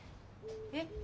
えっ？